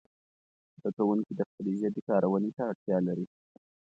زده کوونکي د خپلې ژبې کارونې ته اړتیا لري.